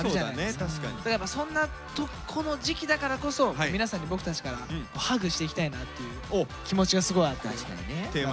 だからやっぱこの時期だからこそ皆さんに僕たちからハグしていきたいなという気持ちがすごいあって。